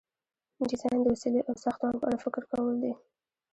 ډیزاین د وسیلې او ساختمان په اړه فکر کول دي.